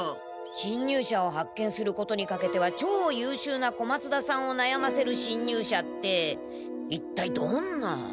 しんにゅうしゃを発見することにかけてはちょうゆうしゅうな小松田さんをなやませるしんにゅうしゃって一体どんな？